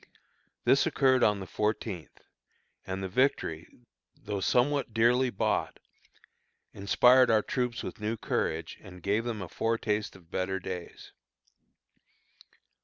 This occurred on the fourteenth; and the victory, though somewhat dearly bought, inspired our troops with new courage, and gave them a foretaste of better days.